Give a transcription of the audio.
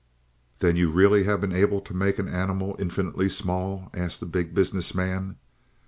"Then you really have been able to make an animal infinitely small?" asked the Big Business Man.